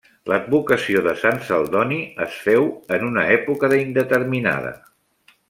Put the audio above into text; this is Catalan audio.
L'advocació de sant Celdoni es féu en una època indeterminada.